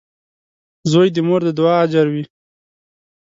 • زوی د مور د دعا اجر وي.